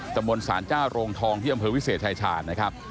มนต์สารเจ้าโรงทองที่อำเภอวิเศษชายชาญนะครับ